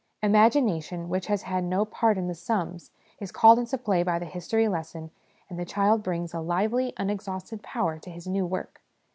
Imagination, which has had no part in the sums, is called into play by the history lesson, and the child brings a lively unexhausted power to his new work.